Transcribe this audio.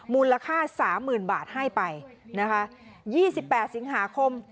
มูลค่าสามหมื่นบาทให้ไปนะคะยี่สิบแปดสิงหาคม